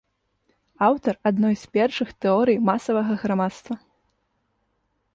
Аўтар адной з першых тэорый масавага грамадства.